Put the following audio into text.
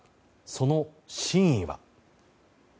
その真意は。